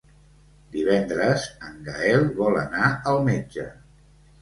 Divendres en Gaël vol anar al metge.